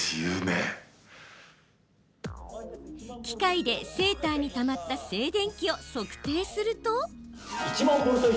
機械で、セーターにたまった静電気を測定すると。